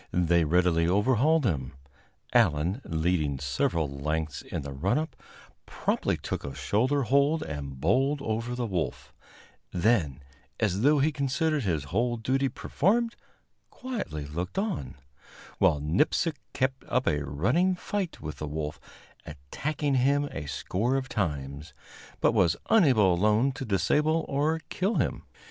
They readily overhauled him. Allan, leading several lengths in the run up, promptly took a shoulder hold and bowled over the wolf; then, as though he considered his whole duty performed, quietly looked on, while Nipsic kept up a running fight with the wolf, attacking him a score of times, but was unable alone to disable or kill him.